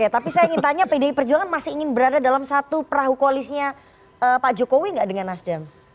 tapi saya ingin tanya pdi perjuangan masih ingin berada dalam satu perahu koalisnya pak jokowi nggak dengan nasdem